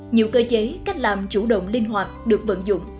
nhiều cơ chế cách làm chủ động linh hoạt được vận dụng